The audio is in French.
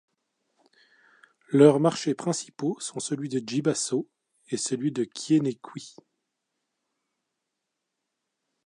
Leurs marchés principaux sont celui de Djibasso et celui de Kiénekuy.